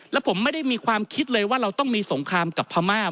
แล้วผมไม่ได้มีความคิดเลยว่าเราต้องมีสงครามกับพม่า